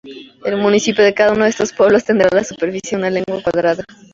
El Municipio de cada uno de estos pueblos tendrá de superficie una legua cuadrada.